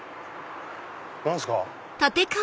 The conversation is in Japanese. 何すか？